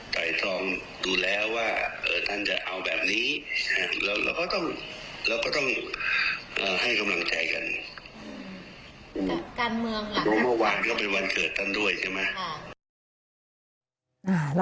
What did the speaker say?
โดยเมื่อวานก็เป็นวันเกิดด้านด้วยใช่ไหม